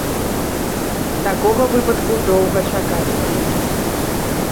Такога выпадку доўга чакаць прыйдзецца.